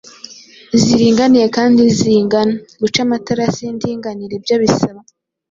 ziringaniye kandi zingana. Guca amaterasi y’indinganire byo bisaba